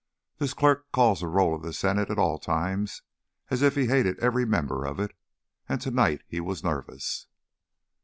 This clerk calls the roll of the Senate at all times as if he hated every member of it, and to night he was nervous.